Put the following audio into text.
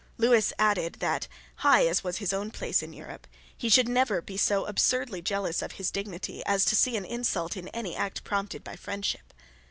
Lewis added that, high as was his own place in Europe, he should never be so absurdly jealous of his dignity as to see an insult in any act prompted by friendship.